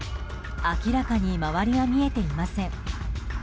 明らかに周りは見えていません。